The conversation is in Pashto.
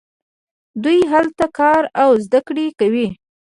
دوی هلته کار او زده کړه کوي.